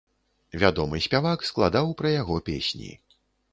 Вядомы спявак складаў пра яго песні.